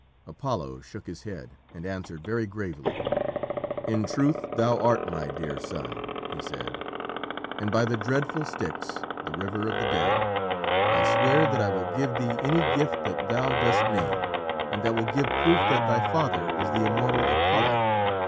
Apollo shook his head and answered very gravely: "In truth thou art my dear son," he said, "and by the dreadful Styx, the river of the dead, I swear that I will give thee any gift that thou dost name and that will give proof that thy father is the immortal Apollo.